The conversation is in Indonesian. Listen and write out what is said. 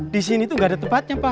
di sini itu nggak ada tempatnya pak